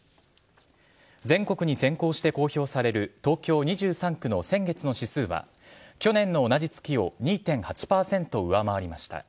全国に先行して公表される東京２３区の先月の指数は、去年の同じ月を２．８％上回りました。